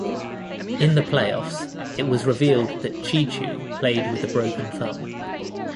In the playoffs, it was revealed that Cheechoo played with a broken thumb.